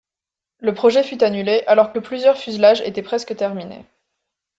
Le projet fut annulé alors que plusieurs fuselages étaient presque terminés.